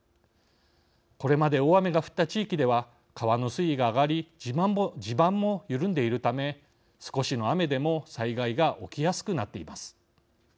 これまで大雨が降った地域では川の水位が上がり地盤も緩んでいるため少しの雨でも災害が起きやすくなっています。